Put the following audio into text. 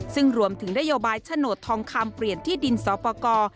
ซึ่งรวมถึงนโยบายโฉนดทองคำเปลี่ยนที่ดินสอปกร